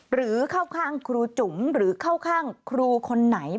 หรือเข้าข้างครูจุ๋มหรือเข้าข้างครูคนไหน